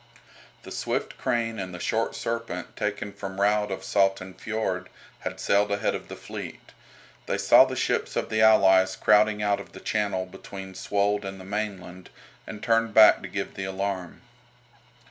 The swift "Crane" and the "Short Serpent," taken from Raud of Salten Fiord, had sailed ahead of the fleet. They saw the ships of the allies crowding out of the channel between Svold and the mainland, and turned back to give the alarm.